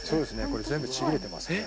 これ全部ちぎれてますね。